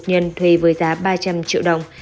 nhân thuê với giá ba trăm linh triệu đồng